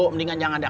mendingan jangan dah